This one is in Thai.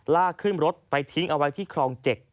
ลากขึ้นรถไปทิ้งเอาไว้ที่ครอง๗